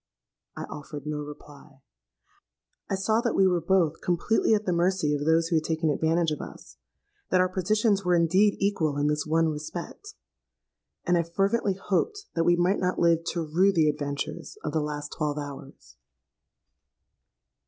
'—I offered no reply: I saw that we were both completely at the mercy of those who had taken advantage of us,—that our positions were indeed equal in this one respect; and I fervently hoped that we might not live to rue the adventures of the last twelve hours!